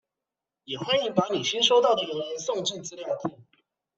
也歡迎把你新收到的謠言送進資料庫